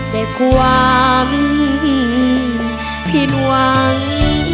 แต่ความผิดหวัง